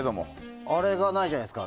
あれがないじゃないですか。